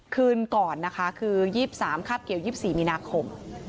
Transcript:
คืนก่อนนะคะคือยี่สิบสามคราบเกี่ยวยี่สิบสี่มีนาคม